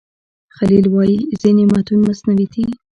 خلیل وايي ځینې متون مصنوعي دي.